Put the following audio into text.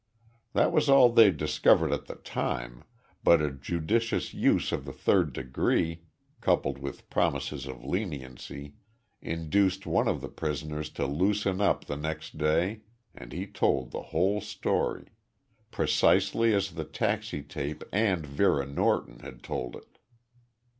That was all they discovered at the time, but a judicious use of the third degree coupled with promises of leniency induced one of the prisoners to loosen up the next day and he told the whole story precisely as the taxi tape and Vera Norton had told it.